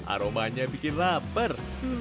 aromanya bikin lapar